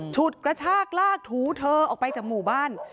ฉุดกระชากลากถูเธอออกไปจากหมู่บ้าน